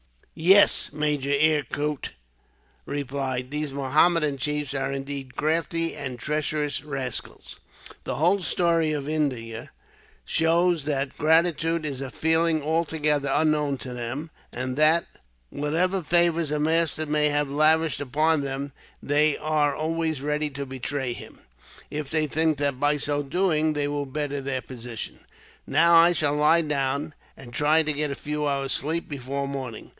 "Yes," Major Eyre Coote replied. "These Mohammedan chiefs are indeed crafty and treacherous rascals. The whole history of India shows that gratitude is a feeling altogether unknown to them; and that, whatever favours a master may have lavished upon them, they are always ready to betray him, if they think that by so doing they will better their position. "Now I shall lie down, and try to get a few hours' sleep before morning.